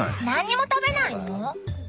何にも食べないの？